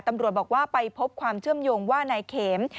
ตำรวจบอกว่าไปพบความเชื่อมโยงว่านายเข็ม